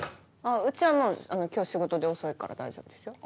うちはもう今日仕事で遅いから大丈夫ですよ。